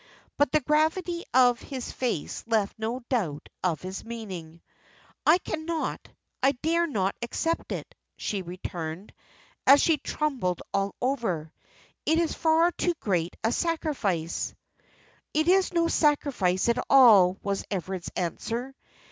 But the gravity of his face left no doubt of his meaning. "I cannot, I dare not accept it," she returned; and she trembled all over. "It is far too great a sacrifice." "It is no sacrifice at all," was Everard's answer.